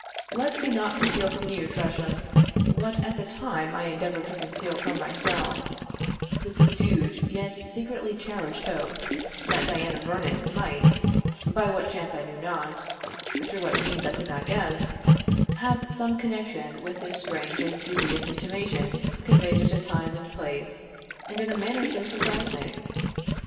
Let me not conceal from you, Tresham, what at the time I endeavoured to conceal from myself the subdued, yet secretly cherished hope, that Diana Vernon might by what chance I knew not through what means I could not guess have some connection with this strange and dubious intimation conveyed at a time and place, and in a manner so surprising.